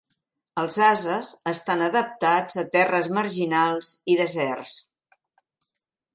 Els ases estan adaptats a terres marginals i deserts.